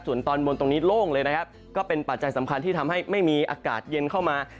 ส่วนตอนบนตรงนี้โล่งเลยนะครับก็เป็นปัจจัยสำคัญที่ทำให้ไม่มีอากาศเย็นเข้ามา